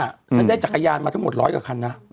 ฉันได้จักรยานมาทั้งหมดร้อยกว่าคันนะ